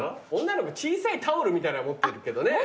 女の子小さいタオルみたいな持ってるけどね。